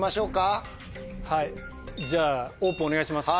はいじゃあ「オープン」お願いします。